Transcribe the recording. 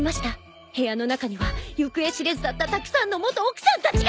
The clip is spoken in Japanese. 部屋の中には行方知れずだったたくさんの元奥さんたちが！